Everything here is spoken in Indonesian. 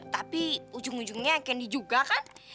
tapi ujung ujungnya kendi juga kan